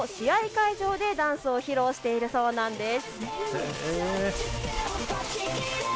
会場でダンスを披露しているそうなんです。